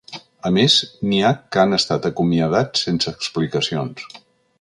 A més, n’hi ha que han estat acomiadats sense explicacions.